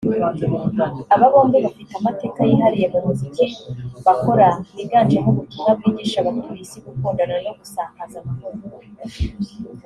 Aba bombi bafite amateka yihariye mu muziki bakora wiganjemo ubutumwa bwigisha abatuye Isi gukundana no gusakaza amahoro